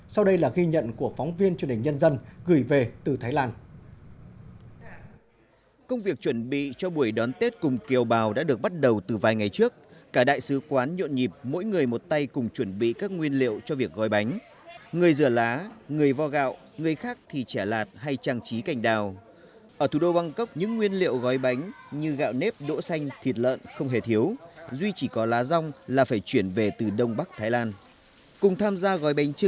sau đây là ghi nhận của phóng viên truyền hình nhân dân gửi về từ thái lan